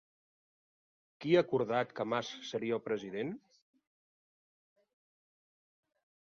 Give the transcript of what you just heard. Qui ha acordat que Mas seria el president?